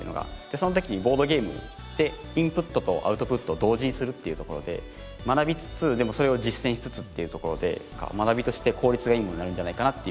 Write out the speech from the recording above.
その時にボードゲームってインプットとアウトプットを同時にするっていうところで学びつつでもそれを実践しつつっていうところで学びとして効率がいいものになるんじゃないかなっていうのを。